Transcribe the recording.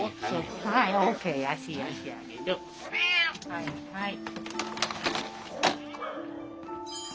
はいはい。